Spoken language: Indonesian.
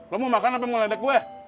lu mau makan apa mau ledek gue